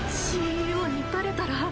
ＣＥＯにバレたら。